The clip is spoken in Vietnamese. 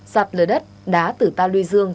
sạp lờ đất đá tử ta lươi dương